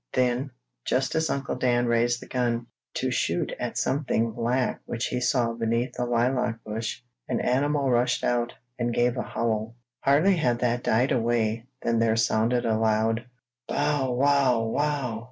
Then, just as Uncle Daniel raised the gun, to shoot at something black which he saw beneath the lilac bush, an animal rushed out, and gave a howl. Hardly had that died away than there sounded a loud: "Bow! Wow! Wow!"